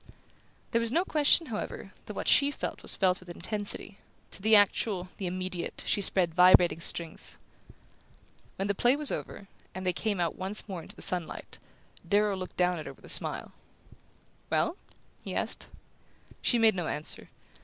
There was no question, however, that what she felt was felt with intensity: to the actual, the immediate, she spread vibrating strings. When the play was over, and they came out once more into the sunlight, Darrow looked down at her with a smile. "Well?" he asked. She made no answer.